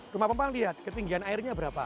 rumah pompa lihat ketinggian airnya berapa